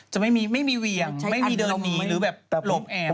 จะไม่มีเหวี่ยงไม่มีเดินหนีหรือแบบหลบแอบ